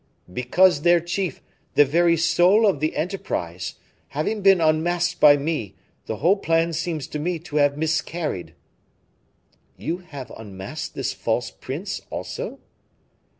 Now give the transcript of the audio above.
"Because their chief the very soul of the enterprise having been unmasked by me, the whole plan seems to me to have miscarried." "You have unmasked this false prince also?"